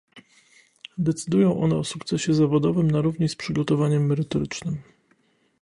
Decydują one o sukcesie zawodowym na równi z przygotowaniem merytorycznym